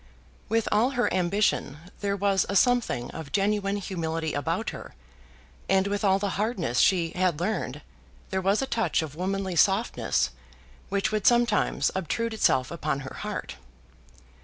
With all her ambition, there was a something of genuine humility about her; and with all the hardness she had learned there was a touch of womanly softness which would sometimes obtrude itself upon her heart.